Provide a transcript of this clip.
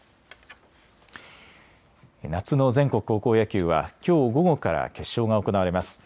夏の全国高校野球はきょう午後から決勝が行われます。